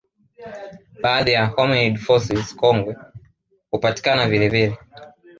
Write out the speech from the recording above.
Baadhi ya hominid fossils kongwe hupatikana vilevile